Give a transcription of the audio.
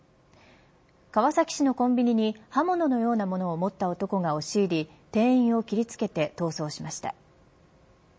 川崎市のコンビニに刃物のようなものを持った男が押し入り店員を切り付けて逃走しました。